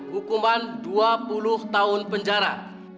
hukuman dua puluh tahun penjara